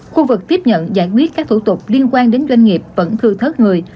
khu vực tiếp nhận giải quyết các thủ tục liên quan đến doanh nghiệp vẫn thư thớt người